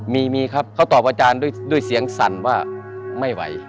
มีครับเขาตอบอาจารย์ด้วยเสียงสั่นว่าไม่ไหว